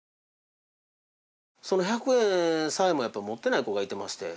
その１００円さえも持ってない子がいてまして。